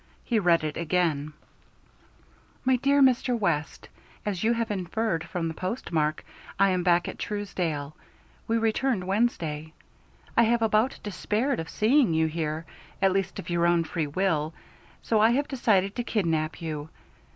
He read it again: MY DEAR MR. WEST: As you have inferred from the postmark I am back at Truesdale; we returned Wednesday. I have about despaired of seeing you here, at least of your own free will, so I have decided to kidnap you.